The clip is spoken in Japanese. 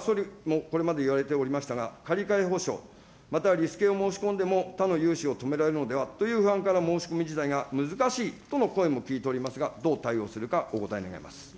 総理もこれまで言われておりましたが、借り換え保証、またはリスケを申し込んでも、他の融資を止められるのではという批判から申し込み自体が難しいとの声も聞いておりますが、どう対応するか、お答え願います。